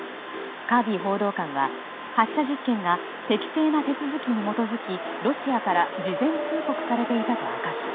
カービー報道官は発射実験が適正な手続きに基づきロシアから事前通告されていたと明かし